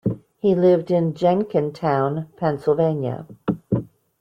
He lived in Jenkintown, Pennsylvania.